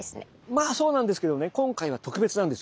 まあそうなんですけどもね今回は特別なんですよ。